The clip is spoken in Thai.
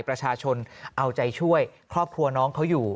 ประชาชนเอาใจช่วยครอบครัวน้องเขาอยู่